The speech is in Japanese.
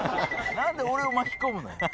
何で俺を巻き込むのよ。